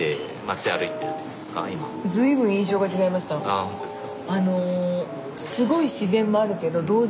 あほんとですか。